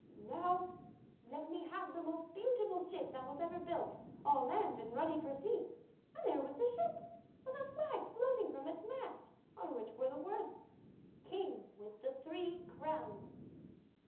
'Now let me have the most beautiful ship that ever was built, all manned and ready for sea.' And there was the ship, with a flag floating from its mast on which were the words, 'King with the three crowns.